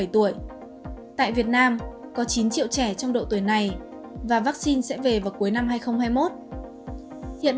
tuổi tại việt nam có chín triệu trẻ trong độ tuổi này và vaccine sẽ về vào cuối năm hai nghìn hai mươi một hiện